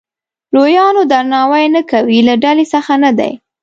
لویانو درناوی نه کوي له ډلې څخه نه دی.